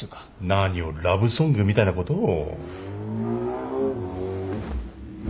何をラブソングみたいなことを。